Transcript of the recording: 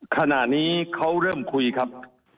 ขณะนี้เขาเริ่มคุยครับ